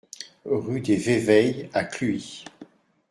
Rue des Véveilles à Cluis